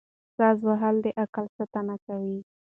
ساز وهل د عقل ساتنه کوي.